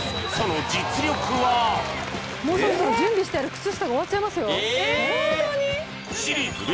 もうそろそろ準備してある靴下が終わっちゃいますよ